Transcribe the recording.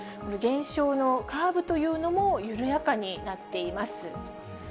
減少のカーブというのも緩やかになっています。